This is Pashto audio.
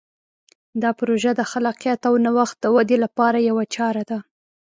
دا پروژه د خلاقیت او نوښت د ودې لپاره یوه چاره ده.